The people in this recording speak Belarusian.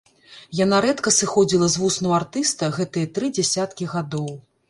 Яна рэдка сыходзіла з вуснаў артыста гэтыя тры дзясяткі гадоў.